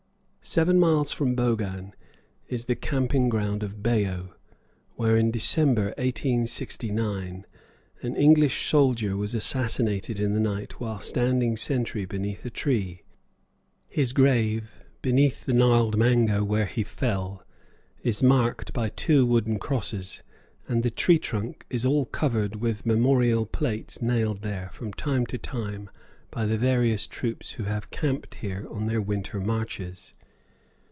Seven miles from Bhogan is the camping ground of Bheyo, where in December, 1869, an English soldier was assassinated in the night while standing sentry beneath a tree. His grave, beneath the gnarled mango where he fell, is marked by two wooden crosses, and the tree trunk is all covered with memorial plates nailed there, from time to time, by the various troops who have camped here on their winter marches.